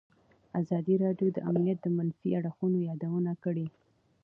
ازادي راډیو د امنیت د منفي اړخونو یادونه کړې.